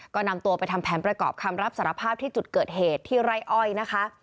ก็นำตัวไปทำแผนประกอบคำรับสารภาพที่จุดเกิดเหตุที่ไร่อ้อยนะคะ